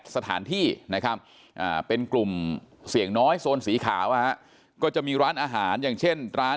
สถานที่นะครับเป็นกลุ่มเสี่ยงน้อยโซนสีขาวก็จะมีร้านอาหารอย่างเช่นร้าน